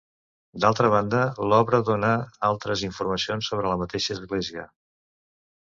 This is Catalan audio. D'altra banda, l'obra dóna altres informacions sobre la mateixa església.